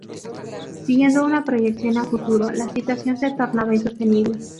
Siguiendo una proyección a futuro la situación se tornaba insostenible.